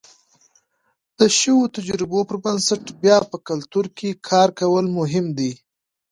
د شویو تجربو پر بنسټ بیا په کلتور کې کار کول مهم دي.